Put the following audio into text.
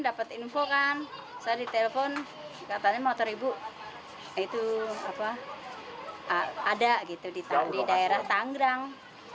dapat info kan saya ditelepon katanya motor ibu itu apa ada gitu di tangan di daerah tangerang